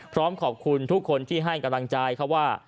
พร้อมขอบคุณทุกคนที่ให้กำลังใจเขาว่า